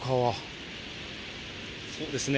そうですね。